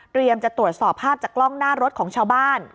จะตรวจสอบภาพจากกล้องหน้ารถของชาวบ้าน